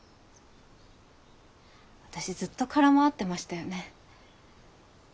私ずっと空回ってましたよね。